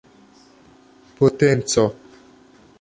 potenco